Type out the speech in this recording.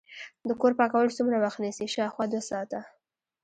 د کور پاکول څومره وخت نیسي؟ شاوخوا دوه ساعته